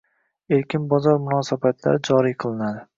erkin bozor munosabatlari joriy qilinadi.